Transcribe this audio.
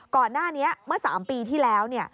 ก่อนหน้านี้เมื่อ๓ปีที่แล้ว